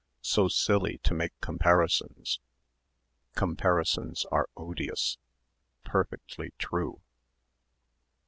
So silly to make comparisons. "Comparisons are odious." Perfectly true.